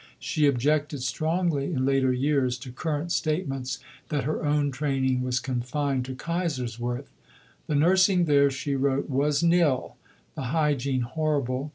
She objected strongly in later years to current statements that her own training was confined to Kaiserswerth. "The nursing there," she wrote, "was nil. The hygiene horrible.